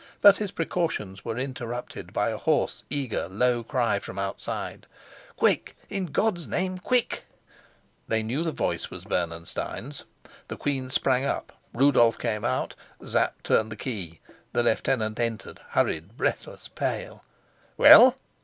But his precautions were interrupted by a hoarse, eager, low cry from outside, "Quick! in God's name, quick!" They knew the voice for Bernenstein's. The queen sprang up, Rudolf came out, Sapt turned the key. The lieutenant entered, hurried, breathless, pale. "Well?"